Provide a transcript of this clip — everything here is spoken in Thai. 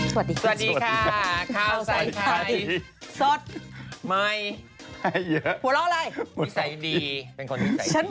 สวัสดีค่ะข้าวใส่ไทยสดใหม่หัวเราะอะไรอีสัยดีเป็นคนดีใส่ดี